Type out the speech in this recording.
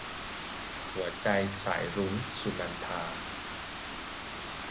หัวใจสายรุ้ง - สุนันทา